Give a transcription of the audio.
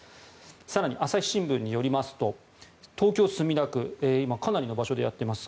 更に、朝日新聞によりますと東京・墨田区、今かなりの場所でやっています。